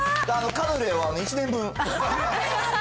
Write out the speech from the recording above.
カヌレは１年分。